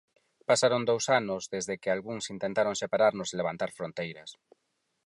Pasaron dous anos desde que algúns intentaron separarnos e levantar fronteiras.